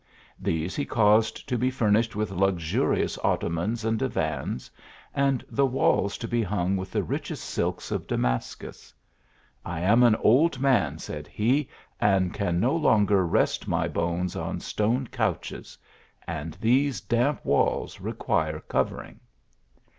These he caused to be furnished with luxurious ottomans and divans ; and the walls to be hung with the richest silks of Damascus. " I am an old man," said he, "and can no longer rest my bones on stone couches ; and these damp walls re quire covering."